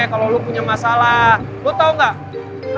kalo terlalu sering nyimpen masalah sendiri lo bisa nge summon aja sama gue